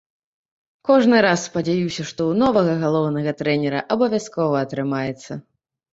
Кожны раз спадзяюся, што ў новага галоўнага трэнера абавязкова атрымаецца.